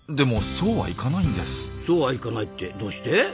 そうはいかないってどうして？